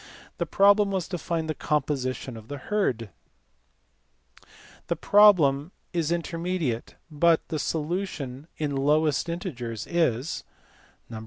The problem was to find the composition of the herd. The problem is indeterminate, but the solution in lowest integers is white bulls, .......